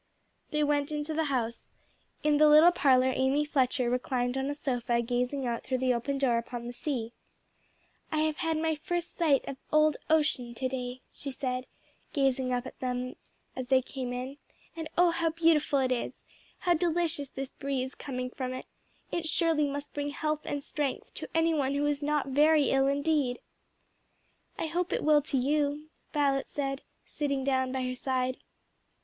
They went into the house. In the little parlor Amy Fletcher reclined on a sofa gazing out through the open door upon the sea. "I have had my first sight of old ocean to day," she said, glancing up at them as they came in, "and oh how beautiful it is! how delicious this breeze coming from it! it surely must bring health and strength to any one who is not very ill indeed!" "I hope it will to you," Violet said, sitting down by her side.